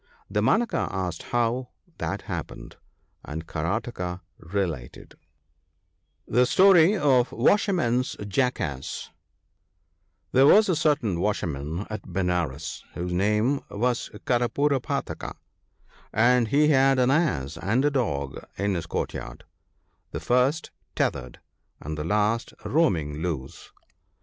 Damanaka asked how that happened, and Karataka related :— @Hje £torp of tfie D£a$jerman'g 3Iacfta££ 'HERE was a certain Washerman ( 54 ) at Benares, whose name was Carpiirapataka, and he had an Ass and a Dog in his court yard ; the first tethered, and the last roaming loose.